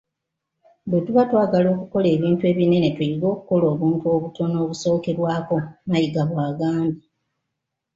"Bwetuba twagala okukola ebintu ebinene tuyige okukola obuntu obutono obusookerwako,” Mayiga bwagambye.